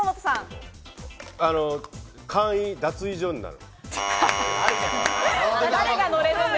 簡易脱衣所になる。